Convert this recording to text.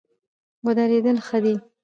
ودرېدل ښه دی.